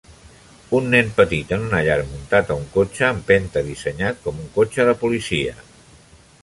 Un nen petit en una llar muntat a un cotxe empenta dissenyat com un cotxe de policia.